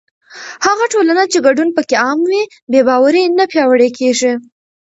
هغه ټولنه چې ګډون پکې عام وي، بې باوري نه پیاوړې کېږي.